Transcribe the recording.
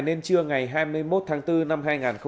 nên trưa ngày hai mươi một tháng bốn năm hai nghìn hai mươi